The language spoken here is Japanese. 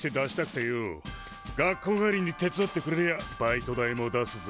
学校帰りに手伝ってくれりゃバイト代も出すぜ！